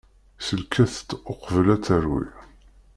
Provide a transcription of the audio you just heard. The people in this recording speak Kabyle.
Sellket-tt uqbel ad terwi.